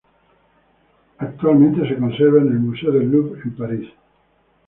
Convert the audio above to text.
Actualmente se conserva en el Museo del Louvre en París.